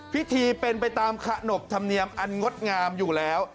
พิธีเป็นไปตามขนบธรรมเนียมอันงดงามอยู่แล้ว